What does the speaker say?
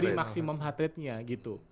ini maksimum heart ratenya gitu